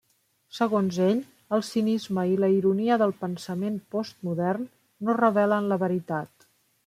Segons ell, el cinisme i la ironia del pensament postmodern no revelen la veritat.